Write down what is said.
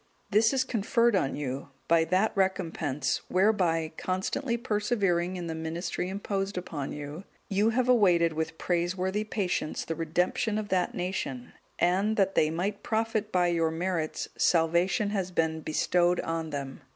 (202) This is conferred on you by that recompense whereby, constantly persevering in the ministry imposed upon you, you have awaited with praiseworthy patience the redemption of that nation, and that they might profit by your merits, salvation has been bestowed on them.